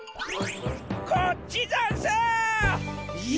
こっちざんす！え！？